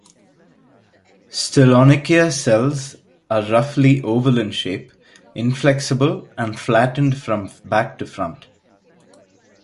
"Stylonychia" cells are roughly oval in shape, inflexible and flattened from back to front.